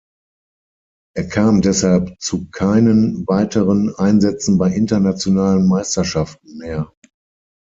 Er kam deshalb zu keinen weiteren Einsätzen bei internationalen Meisterschaften mehr.